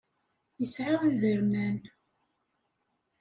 Isɛa izerman.